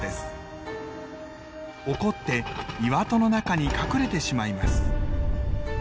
怒って岩戸の中に隠れてしまいます。